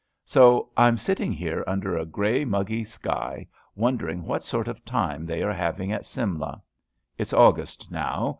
So I'm sitting here under a grey, muggy sky wondering what sort of time they are having at Simla. It's August now.